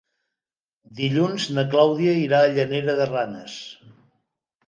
Dilluns na Clàudia irà a Llanera de Ranes.